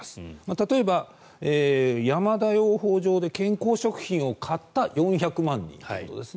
例えば、山田養蜂場で健康食品を買った４００万人ということです。